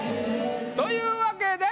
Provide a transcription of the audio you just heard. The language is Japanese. というわけで。